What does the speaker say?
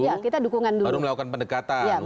baru melakukan pendekatan